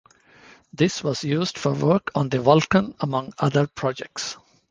This was used for work on the Vulcan among other projects.